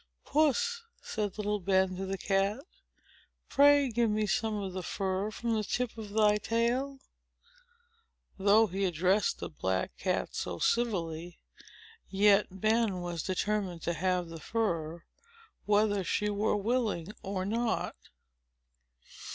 "Puss," said little Ben to the cat, "pray give me some of the fur from the tip of thy tail!" Though he addressed the black cat so civilly, yet Ben was determined to have the fur, whether she were willing or not.